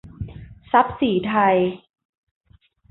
ทรัพย์ศรีไทย